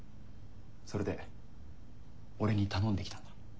それで俺に頼んできたんだ。